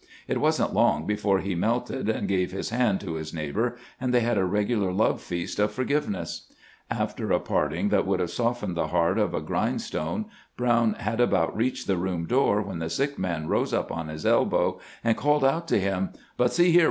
It was n't long be fore he melted, and gave his hand to his neighbor, and they had a regular love feast of forgiveness. After a parting that would have softened the heart of a grind stone. Brown had about reached the room door when the sick man rose up on his elbow and called out to him :* But see here.